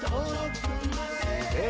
すげえ。